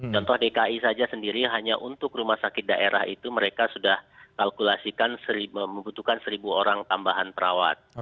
contoh dki saja sendiri hanya untuk rumah sakit daerah itu mereka sudah kalkulasikan membutuhkan seribu orang tambahan perawat